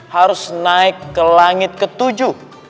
harus naik ke langit ketujuh